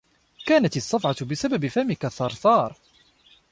كانت الصّفعة بسبب فمك الثّرثار.